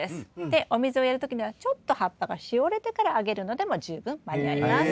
でお水をやる時にはちょっと葉っぱがしおれてからあげるのでも十分間に合います。